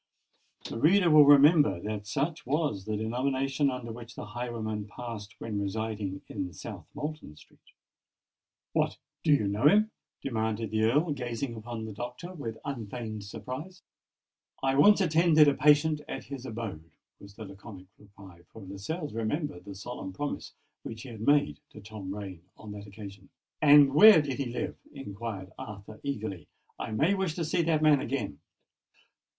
The reader will remember that such was the denomination under which the highwayman passed when residing in South Moulton Street. "What! do you know him?" demanded the Earl, gazing upon the doctor with unfeigned surprise. "I once attended a patient at his abode," was the laconic reply: for Lascelles remembered the solemn promise which he had made to Tom Rain on that occasion. "And where did he live?" inquired Arthur, eagerly. "I may wish to see that man again."